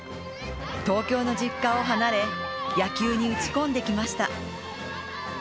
東京の実家を離れ、野球に打ち込んできました。